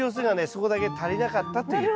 そこだけ足りなかったという。